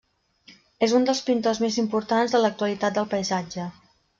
És un dels pintors més importants de l'actualitat del paisatge.